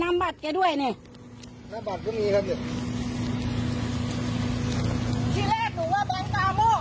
น้ำบัตรก็มีครับเนี่ย